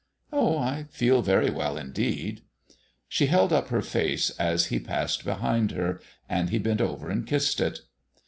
"Oh, I feel very well, indeed." She held up her face as he passed behind her, and he bent over and kissed it.